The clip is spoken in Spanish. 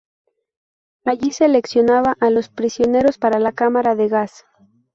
Allí seleccionaba a los prisioneros para la cámara de gas.